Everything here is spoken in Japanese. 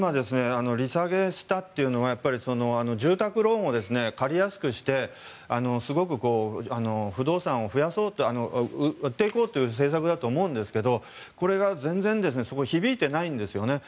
利下げしたというのは住宅ローンを借りやすくして不動産を売っていこうという政策だと思うんですがこれが全然、響いていないんですよね。